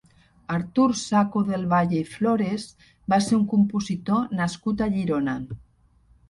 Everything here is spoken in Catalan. Artur Saco del Valle i Flores va ser un compositor nascut a Girona.